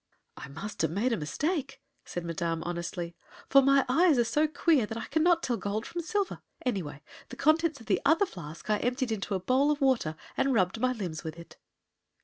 "I must have made a mistake," said Madame, honestly; "for my eyes are so queer that I cannot tell gold from silver. Anyway, the contents of the other flask I emptied into a bowl of water, and rubbed my limbs with it."